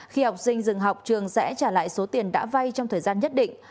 khi học sinh dừng học trường sẽ trả lại số tiền đã vay trong thời gian nhất định